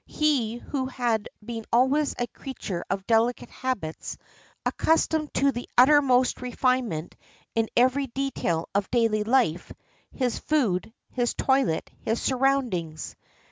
He, who had been always a creature of delicate habits, accustomed to the uttermost refinement in every detail of daily life his food, his toilet, his surroundings.